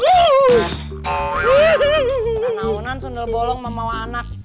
tidak tidak sundar bolong memang mau anak